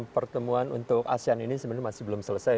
pertemuan untuk asean ini sebenarnya masih belum selesai